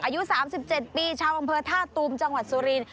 อายุ๓๗ปีชาวอำเภอท่าตูมจังหวัดสุรินท